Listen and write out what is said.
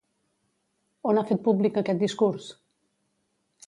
On ha fet públic aquest discurs?